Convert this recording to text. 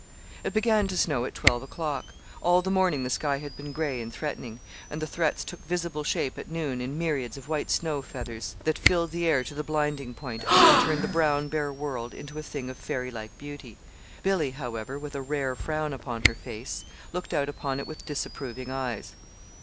It began to snow at twelve o'clock. All the morning the sky had been gray and threatening; and the threats took visible shape at noon in myriads of white snow feathers that filled the air to the blinding point, and turned the brown, bare world into a thing of fairylike beauty. Billy, however, with a rare frown upon her face, looked out upon it with disapproving eyes.